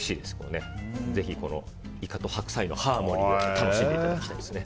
ぜひイカと白菜のハーモニーを楽しんでいただきたいですね。